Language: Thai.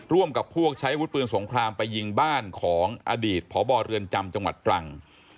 ร่วมกับพวกใช้วุฒิปืนสงครามไปยิงบ้านของอดีตพบเรือนจำจังหวัดตรัง